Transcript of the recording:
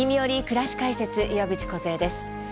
くらし解説」岩渕梢です。